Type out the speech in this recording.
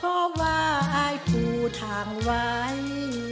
เพราะว่าอายปูทางไว้